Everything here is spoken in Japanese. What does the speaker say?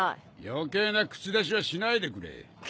余計な口出しはしないでくれ。